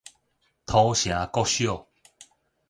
土城國小